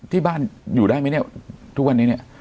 ที่บ้านอยู่ได้ไหมเนี่ยทุกวันนี้เนี่ย